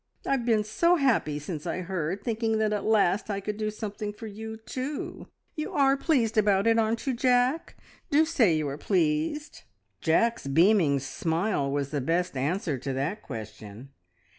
I've been so happy since I heard, thinking that at last I could do something for you too. You are pleased about it, aren't you, Jack? Do say you are pleased!" Jack's beaming smile was the best answer to that question.